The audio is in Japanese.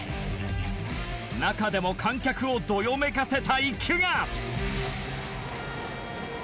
中でも観客をどよめかせた一球が。